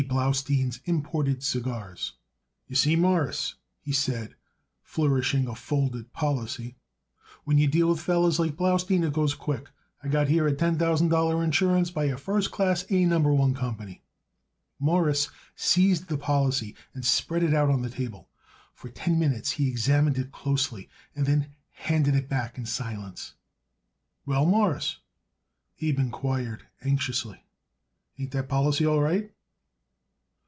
Blaustein's imported cigars. "You see, Mawruss," he said, flourishing a folded policy, "when you deal with fellers like Blaustein it goes quick. I got it here a ten thousand dollar insurance by a first class, A Number One company." Morris seized the policy and spread it out on the table. For ten minutes he examined it closely and then handed it back in silence. "Well, Mawruss," Abe inquired anxiously, "ain't that policy all right?"